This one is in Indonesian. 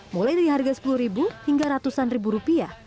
mulai dari harga rp sepuluh hingga ratusan ribu rupiah